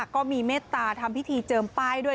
เมตตาทำพิธีเจิมป้ายด้วย